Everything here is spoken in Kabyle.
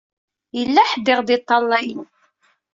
Yella ḥedd i ɣ-d-iṭṭalayen.